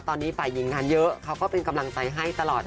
ตอนนี้ฝ่ายหญิงงานเยอะเขาก็เป็นกำลังใจให้ตลอด